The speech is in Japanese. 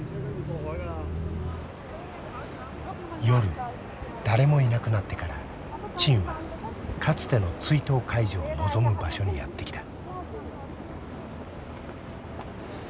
夜誰もいなくなってから陳はかつての追悼会場を望む場所にやって来た。